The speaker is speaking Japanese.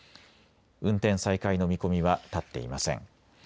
運転再開の見込みは立っていません。